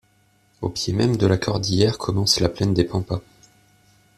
Au pied même de la Cordillère commence la plaine des Pampas.